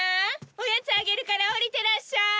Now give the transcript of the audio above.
おやつあげるから下りてらっしゃい。